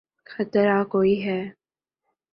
خطرہ کوئی ہے۔